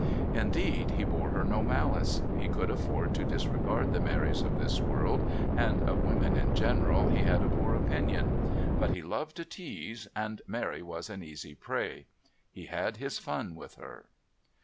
Indeed, he bore her no malice; he could afford to disregard the Marys of this world, and of women in general he had a poor opinion. But he loved to tease, and Mary was an easy prey. He had his fun with her.